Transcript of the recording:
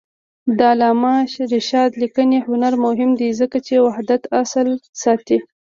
د علامه رشاد لیکنی هنر مهم دی ځکه چې وحدت اصل ساتي.